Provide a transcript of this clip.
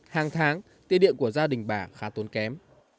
hàng tháng tiền điện của gia đình bà khá tốn kém